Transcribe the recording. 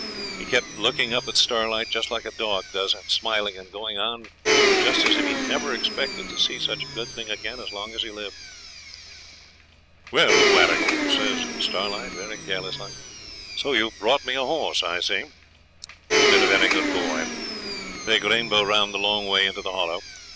He kept looking up at Starlight just like a dog does, and smiling and going on just as if he never expected to see such a good thing again as long as he lived. 'Well, Warrigal,' says Starlight, very careless like, 'so you've brought me a horse, I see. You've been a very good boy. Take Rainbow round the long way into the Hollow.